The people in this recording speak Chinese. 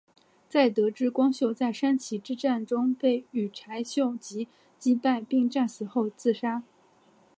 在得知光秀在山崎之战中被羽柴秀吉击败并战死后自杀。